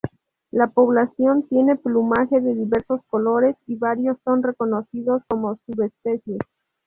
La población tiene plumaje de diversos colores y varios son reconocidos como subespecies.